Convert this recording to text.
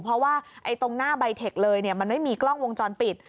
เพราะว่าตรงหน้าใบเทคเลยมันไม่มีกล้องวงจรปิด